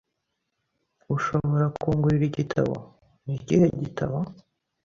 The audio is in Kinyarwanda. Ushobora kungurira igitabo? "" "Ni ikihe gitabo?"